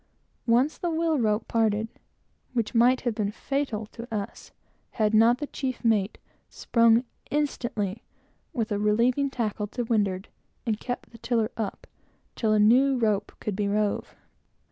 Once, the wheel rope parted, which might have been fatal to us, had not the chief mate sprung instantly with a relieving tackle to windward, and kept the tiller up, till a new one could be rove.